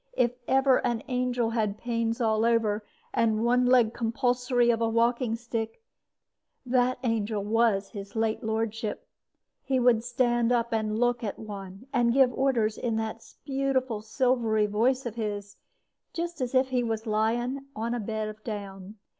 If ever an angel had pains all over, and one leg compulsory of a walking stick, that angel was his late lordship. He would stand up and look at one, and give orders in that beautiful silvery voice of his, just as if he was lying on a bed of down.